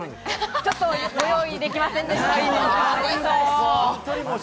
ちょっとご用意できませんでした。